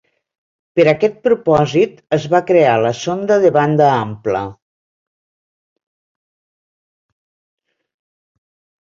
Per aquest propòsit es va crear la sonda de banda ampla.